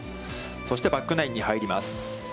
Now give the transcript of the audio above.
そしてバックナインに入ります。